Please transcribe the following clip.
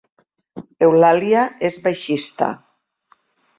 Eulàlia és baixista